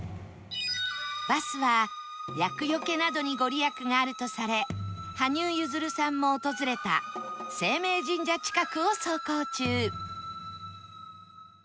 バスは厄よけなどに御利益があるとされ羽生結弦さんも訪れた晴明神社近くを走行中